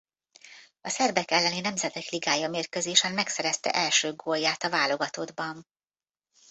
A szerbek elleni Nemzetek Ligája mérkőzésen megszerezte első gólját a válogatottban.